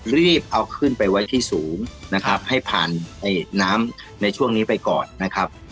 รีบเอาขึ้นไปไว้ที่สูงนะครับให้ผ่านไอ้น้ำในช่วงนี้ไปก่อนนะครับ